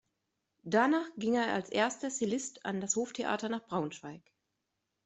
Danach ging er als erster Cellist an das Hoftheater nach Braunschweig.